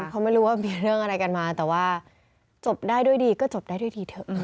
เขาไม่รู้ว่ามีเรื่องอะไรกันมาแต่ว่าจบได้ด้วยดีก็จบได้ด้วยทีเถอะ